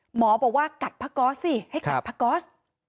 หมอบอกว่ากัดพระกอสสิให้กัดพระกอส